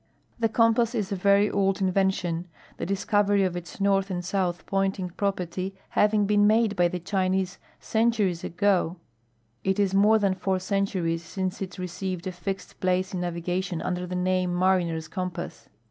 Tlie compass is a very (jld invention, the discovery its north and south jfointing j)ropcrty having been made by the Chinese centuries ago It is more than four centuries since it receiveil a (lxe<l i>lace in navigation under the name Mariner's Compass.